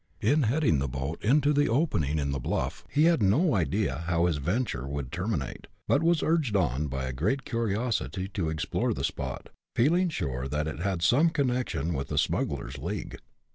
In heading the boat into the opening in the bluff, he had no idea how his venture would terminate, but was urged on by a great curiosity to explore the spot, feeling sure that it had some connection with the smugglers' league.